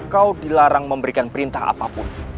kau dilarang memberikan perintah apapun